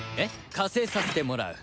加勢させてもらう。